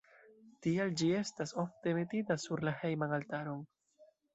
Tial ĝi estas ofte metita sur la hejman altaron.